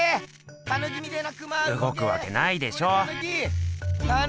うごくわけないでしょ。